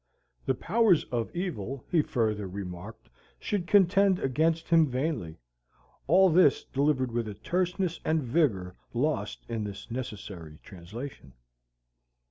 The Powers of Evil, he further remarked, should contend against him vainly. All this delivered with a terseness and vigor lost in this necessary translation.